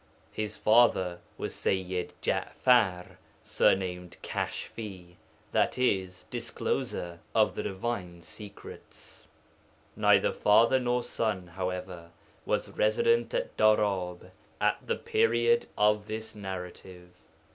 His father was Sayyid Ja'far, surnamed Kashfi, i.e. discloser (of the divine secrets). Neither father nor son, however, was resident at Darab at the period of this narrative.